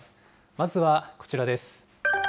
まずはこちらです。